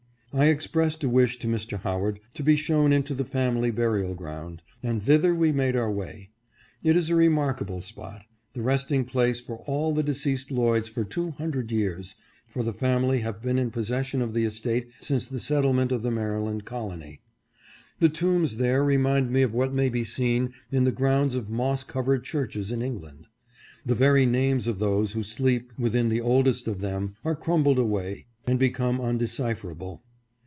I expressed a wish to Mr. Howard to be shown into the family burial ground, and thither we made our way. It is a remarkable spot — the resting place for all the deceased Lloyds for two hundred years, for the family have been in possession of the estate since the settlement of the Maryland col ony. The tombs there remind one of what may be seen in the grounds of moss covered churches in England. The very names of those who sleep within the oldest of them are crumbled away and become undecipherable.